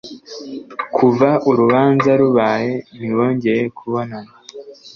kuva urubanza rubaye ntibongeye kubonana